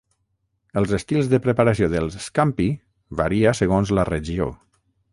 Els estils de preparació dels "scampi" varia segons la regió.